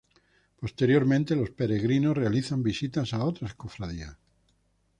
Posteriormente los peregrinos realizan visitas a otras cofradías.